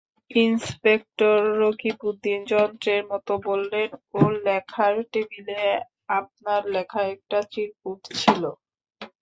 Inspector Rakibuddin যন্ত্রের মতো বললেন, ওঁর লেখার টেবিলে আপনার লেখা একটা চিরকুট ছিল।